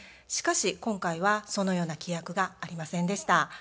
しかし今回はそのような規約がありませんでした。